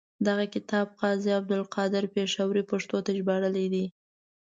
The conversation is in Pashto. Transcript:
دغه کتاب قاضي عبدالقادر پیښوري پښتو ته ژباړلی دی.